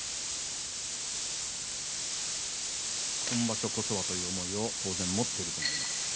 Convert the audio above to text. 今場所こそはという思いを当然持っていると思います。